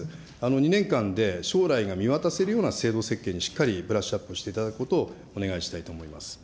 ２年間で将来が見渡せるような制度設計にしっかりブラッシュアップしていただくことをお願いしたいと思います。